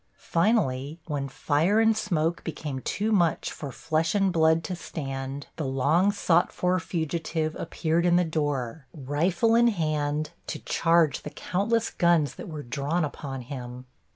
Finally, when fire and smoke became too much for flesh and blood to stand, the long sought for fugitive appeared in the door, rifle in hand, to charge the countless guns that were drawn upon him.